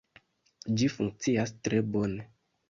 Ĝi funkcias tre bone